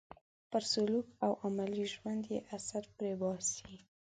پر سلوک او عملي ژوند یې اثر پرې باسي.